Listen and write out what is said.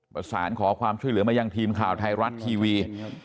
ประสานขอความช่วยเหลือมายังทีมข่าวไทยรัฐทีวี